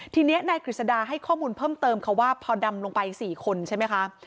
ทีนี้นายกฤษดาให้ข้อมูลเพิ่มเติมค่ะว่าพอดำลงไป๔คนใช่ไหมคะ